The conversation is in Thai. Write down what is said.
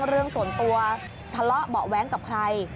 เรื่องส่วนตัวทะเลาะเบาะแว้งกับใคร